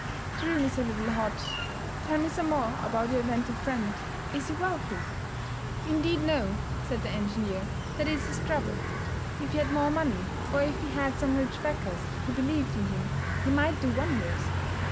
The room is a little hot. Tell me some more about your inventive friend. Is he wealthy?' 'Indeed, no,' said the engineer. 'That is his trouble. If he had more money, or if he had some rich backers who believed in him, he might do wonders.'